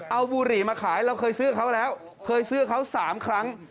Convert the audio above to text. เอาบุหรี่มาขายเราเคยซื้อเขาแล้วเคยซื้อเขา๓ครั้ง